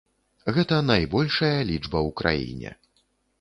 Гэта найбольшая лічба ў краіне.